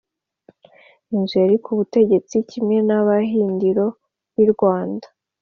inzu yari kubutegetsi kimwe n'abahindiro b'i rwanda.